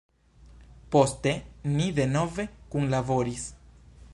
Poste ni denove kunlaboris.